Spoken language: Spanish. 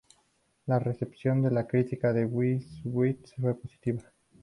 La recepción de la crítica de "Bittersweet" fue positiva.